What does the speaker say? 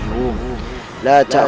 aku berhak untuk menjelaskan semuanya